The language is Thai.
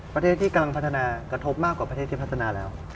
ประเทศที่กำลังพัฒนากระทบมากกว่าประเทศที่พัฒนาแล้ว